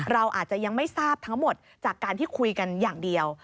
เราอาจจะยังไม่ทราบทั้งหมดจากการที่คุยกันอย่างเดียว